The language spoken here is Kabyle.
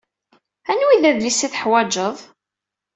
Anwa ay d adlis ay teḥwajeḍ?